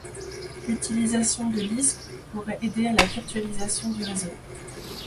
L'utilisation de Lisp pourrait aider à la virtualisation du réseau.